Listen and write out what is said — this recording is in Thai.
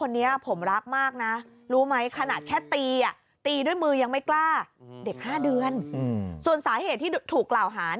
เด็ก๕เดือนส่วนสาเหตุที่ถูกกล่าวหา